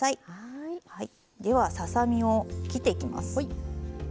ではささ身を切っていきます。